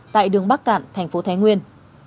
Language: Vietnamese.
tại đường bắc cạn thành phố thái nguyên